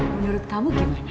menurut kamu gimana